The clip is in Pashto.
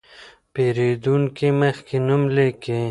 پېرېدونکي مخکې نوم لیکي.